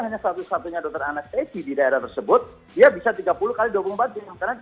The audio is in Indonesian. hanya satu satunya dokter anestesi di daerah tersebut dia bisa tiga puluh x dua puluh empat jam karena